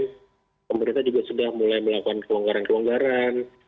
pemerintah juga sudah mulai melakukan kewawanggaran kewawanggaran